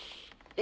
え！